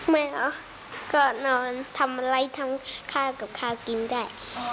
แม่ก็นอนทำอะไรทั้งข้าวกับข้ากินได้